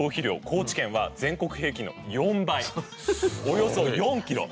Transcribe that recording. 高知県は全国平均の４倍およそ４キロ。